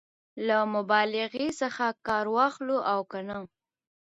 له مبالغې څخه کار واخلو او که نه؟